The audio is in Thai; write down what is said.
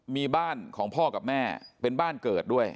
มีบ้านของพ่อกับแม่เป็นบ้านเกิดด้วย